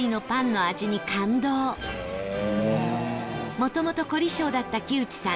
もともと凝り性だった木内さん